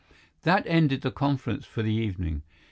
That ended the conference for the evening.